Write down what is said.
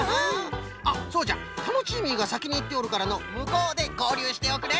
あっそうじゃタノチーミーがさきにいっておるからのうむこうでごうりゅうしておくれ。